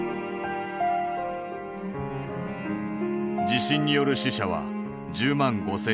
地震による死者は１０万５，０００人。